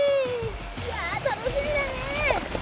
いや楽しみだね。